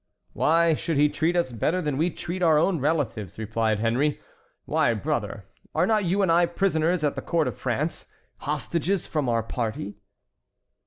"Why should he treat us better than we treat our own relatives?" replied Henry. "Why, brother, are not you and I prisoners at the court of France, hostages from our party?"